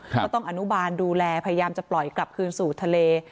ก็ต้องอนุบาลดูแลพยายามจะปล่อยกลับคืนสู่ทะเล